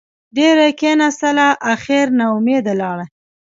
ډېره کېناستله اخېر نااوميده لاړه.